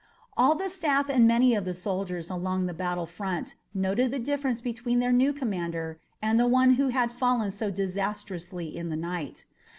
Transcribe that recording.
All the staff and many of the soldiers along the battle front noted the difference between their new commander and the one who had fallen so disastrously in the night.